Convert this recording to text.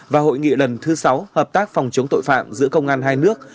và hội nghị lần thứ sáu hợp tác phòng chống tội phạm giữa công an hai nước